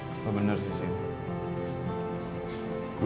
hmm lo bener sih syukur